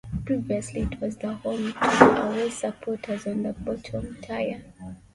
Previously, it was the home to away supporters on the bottom tier.